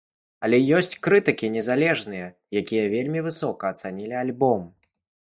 Але ёсць крытыкі незалежныя, якія вельмі высока ацанілі альбом.